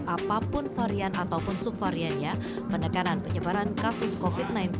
apapun varian ataupun subvariannya penekanan penyebaran kasus covid sembilan belas